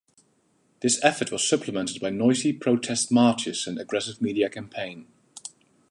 This effort was supplemented by noisy protest marches and aggressive media campaign.